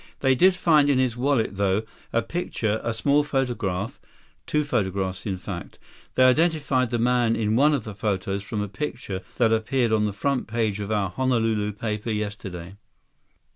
They did find in his wallet, though, a picture, a small photograph—two photographs, in fact. They identified the man in one of the photos from a picture that appeared on the front page of our Honolulu paper yesterday."